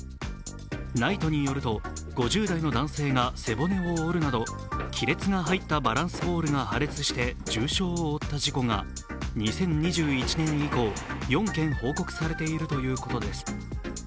ＮＩＴＥによると、５０代の男性が背骨を折るなど亀裂が入ったバランスボールが破裂して重傷を負った事故が２０２１年以降、４件報告されているということです。